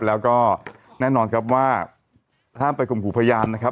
แล้วก็แน่นอนครับว่าห้ามไปข่มขู่พยานนะครับ